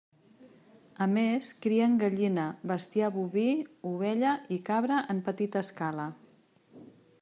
A més crien gallina, bestiar boví, ovella i cabra en petita escala.